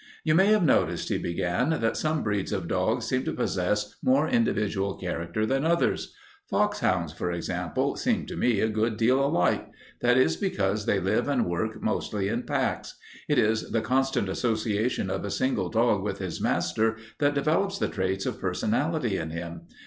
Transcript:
"You may have noticed," he began, "that some breeds of dogs seem to possess more individual character than others. Foxhounds, for example, seem to me a good deal alike. That is because they live and work mostly in packs. It is the constant association of a single dog with his master that develops the traits of personality in him.